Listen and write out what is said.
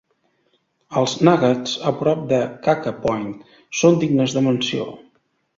Els Nuggets a prop de Kaka Point són dignes de menció.